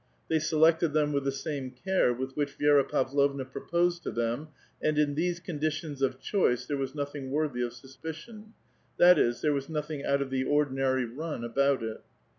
They selected them with the same care with which Vii^ra Pavlovna proposed to them, and in these conditions of choice there was nothing worthy of suspicion ; that is, there was nothing out of the oi dinary run about it.